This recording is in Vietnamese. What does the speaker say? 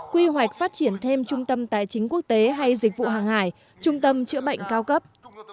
quy hoạch phát triển thêm trung tâm tài chính quốc tế hay dịch vụ hàng hải trung tâm chữa bệnh cao cấp